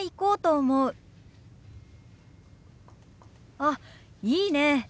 あっいいねえ。